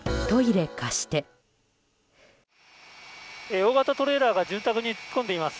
大型トレーラーが住宅に突っ込んでいます。